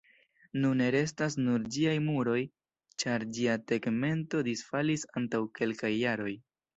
Nune restas nur ĝiaj muroj, ĉar ĝia tegmento disfalis antaŭ kelkaj jaroj.